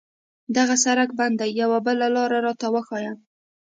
دغه سړک بند ده، یوه بله لار راته وښایه.